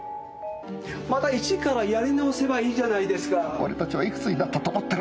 また一からやり直せばいいじゃないですから。